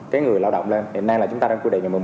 cái người lao động lên hiện nay là chúng ta đang quy định